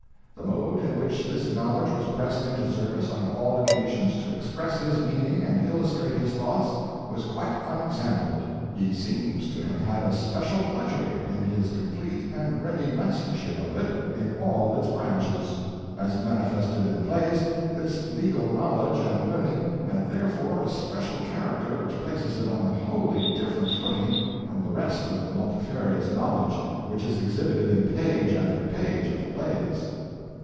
The mode in which this knowledge was pressed into service on all occasions to express his meaning and illustrate his thoughts was quite unexampled. He seems to have had a special pleasure in his complete and ready mastership of it in all its branches. As manifested in the plays, this legal knowledge and learning had therefore a special character which places it on a wholly different footing from the rest of the multifarious knowledge which is exhibited in page after page of the plays.